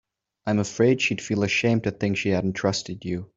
I'm afraid she'd feel ashamed to think she hadn't trusted you.